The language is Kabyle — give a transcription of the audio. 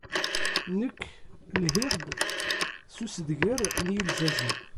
Nekk lhiɣ-d s ussedger n yilzazen.